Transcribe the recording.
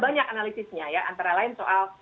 banyak analisisnya ya antara lain soal